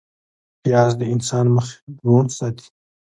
پیاز د انسان مخ روڼ ساتي